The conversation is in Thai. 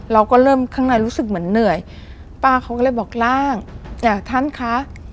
เราก็เริ่มข้างในรู้สึกเหมือนเหนื่อยป้าเขาก็เลยบอกร่างจ้ะท่านคะ